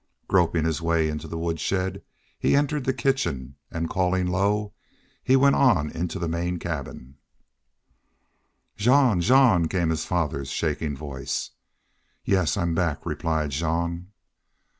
Groping his way into the woodshed, he entered the kitchen and, calling low, he went on into the main cabin. "Jean! Jean!" came his father's shaking voice. "Yes, I'm back," replied Jean.